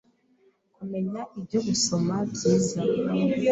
kumenya ibyo gusoma byiza